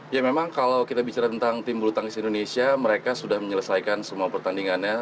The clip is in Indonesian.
ya memang kalau kita bicara tentang tim bulu tangkis indonesia mereka sudah menyelesaikan semua pertandingannya